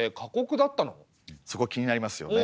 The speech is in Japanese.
そこ気になりますよね。